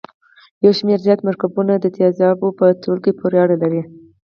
یو شمیر زیات مرکبونه د تیزابو په ټولګي پورې اړه لري.